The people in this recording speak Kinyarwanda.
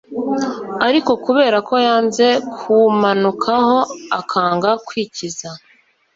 ariko kubera ko yanze kuwumanukaho, akanga kwikiza,